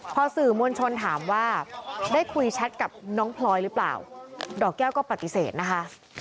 พอสื่อมวลชนถามว่าได้คุยแชทกับน้องพลอยหรือเปล่าดอกแก้วก็ปฏิเสธนะคะ